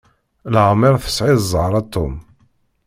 Leɛmeṛ tesɛiḍ zzheṛ a Tom.